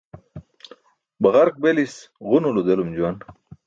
Baġark belis ġunulo delum juwan.